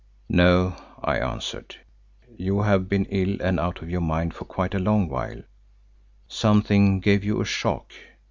"No," I answered, "you have been ill and out of your mind for quite a long while; something gave you a shock.